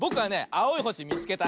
あおいほしみつけた。